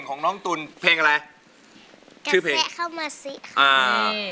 กาแสเข้ามาเสีย